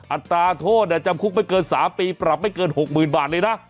อัตราโทษจำคุกไม่เกิน๓ปีปรับไม่เกิน๖๐๐๐บาทเลยนะ